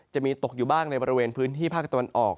จะมีตกอยู่บ้างในบริเวณพื้นที่ภาคตะวันออก